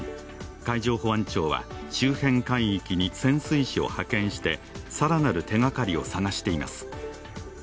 海上保安庁は周辺海域に潜水士を派遣して更なる手がかりを捜しています。